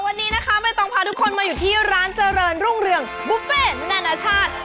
วันนี้นะคะไม่ต้องพาทุกคนมาอยู่ที่ร้านเจริญรุ่งเรืองบุฟเฟ่นนานาชาติ